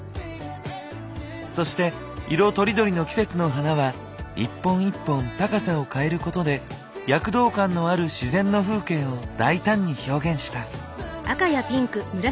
そして色とりどりの季節の花は１本１本高さを変えることで躍動感のある自然の風景を大胆に表現した。